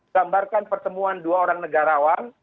gambarkan pertemuan dua orang negarawan